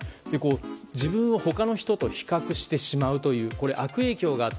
自分を他の人と比較してしまう悪影響があった。